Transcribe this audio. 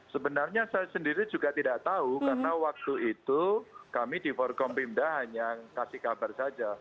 sebenarnya saya sendiri juga tidak tahu karena waktu itu kami di forkompimda hanya kasih kabar saja